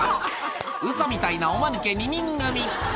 ウソみたいなおまぬけ２人組。